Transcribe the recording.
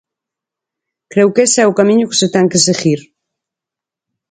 Creo que ese é o camiño que se ten que seguir.